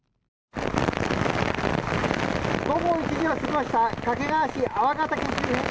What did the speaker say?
午後１時を過ぎました掛川市周辺です。